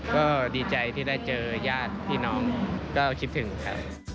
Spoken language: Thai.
ก็ดีใจที่ได้เจอญาติพี่น้องก็คิดถึงค่ะ